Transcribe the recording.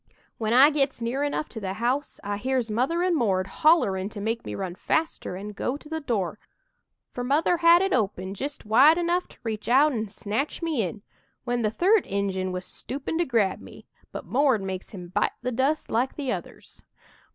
"When I gits near enough to the house, I hears Mother and 'Mord' hollerin' to make me run faster and go to the door, for Mother had it open jist wide enough to reach out an' snatch me in when the third Injun was stoopin' to grab me, but 'Mord' makes him bite the dust like the others.